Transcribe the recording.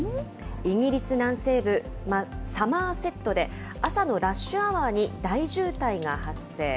イギリス南西部サマーセットで、朝のラッシュアワーに大渋滞が発生。